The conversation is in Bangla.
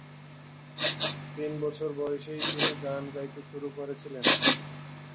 তিন বছর বয়সেই তিনি গান গাইতে শুরু করেছিলেন।